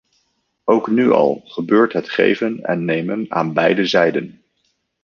Ook nu al gebeurt het geven en nemen aan beide zijden.